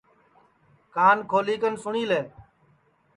کان کھولی کن سُٹؔی لے